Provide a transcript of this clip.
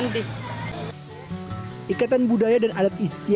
untuk melakukan hal berkarya dan kemudian di angkatkan kewujudan artis manis add kontra edition